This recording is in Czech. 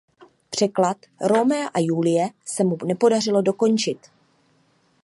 Překlad "Romea a Julie" se mu nepodařilo dokončit.